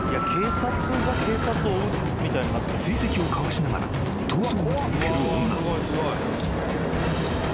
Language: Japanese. ［追跡をかわしながら逃走を続ける女］